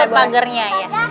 oh iya buat bagernya ya